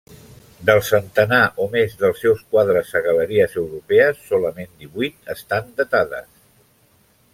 Del centenar o més dels seus quadres a galeries europees, solament divuit estan datades.